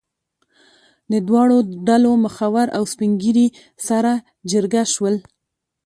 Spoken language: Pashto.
د دواړو ډلو مخور او سپین ږیري سره جرګه شول.